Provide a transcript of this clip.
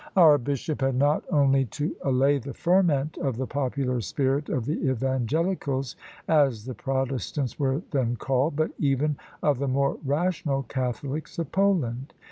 Our bishop had not only to allay the ferment of the popular spirit of the evangelicals, as the protestants were then called, but even of the more rational catholics of Poland.